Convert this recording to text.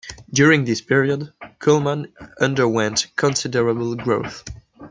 During this period, Cullman underwent considerable growth.